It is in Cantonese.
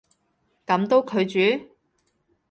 噉都拒絕？